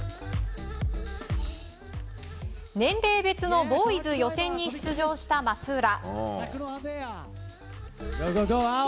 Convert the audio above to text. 年齢別のボーイズ予選に出場した松浦。